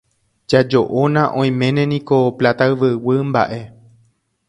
Jajo'óna oiméne niko Pláta Yvyguy mba'e.